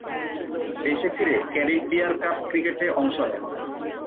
দেশে ফিরে ক্যারিব বিয়ার কাপ ক্রিকেটে অংশ নেন।